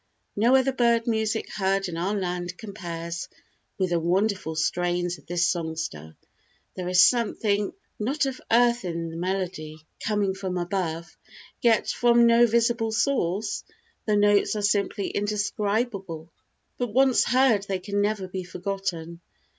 No other bird music heard in our land compares with the wonderful strains of this songster; there is something not of earth in the melody, coming from above, yet from no visible source. The notes are simply indescribable; but once heard they can never be forgotten.